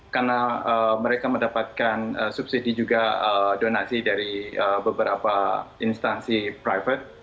karena mereka mendapatkan subsidi juga donasi dari beberapa instansi private